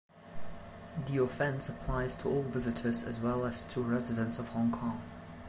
The offence applies to all visitors as well as to residents of Hong Kong.